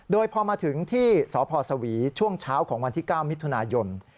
โดยพอมาถึงที่สพสวีช่วงเช้าของวันที่๙มิถุนายน